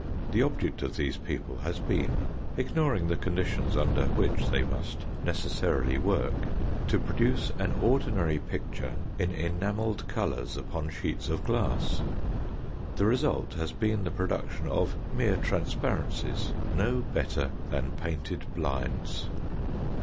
The object of these people has been, ignoring the condition under which they must necessarily work, to produce an ordinary picture in enamelled colours upon sheets of glass. The result has been the production of mere transparencies no better than painted blinds.